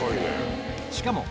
しかも